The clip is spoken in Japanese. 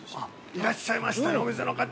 いらっしゃいました、お店の方。